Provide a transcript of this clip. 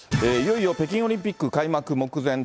いよいよ北京オリンピック開幕目前。